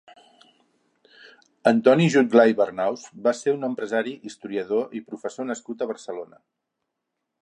Antoni Jutglar i Bernaus va ser un empresari, historiador i professor nascut a Barcelona.